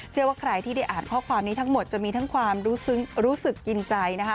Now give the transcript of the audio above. เชื่อว่าใครที่ได้อ่านข้อความนี้ทั้งหมดจะมีทั้งความรู้สึกกินใจนะคะ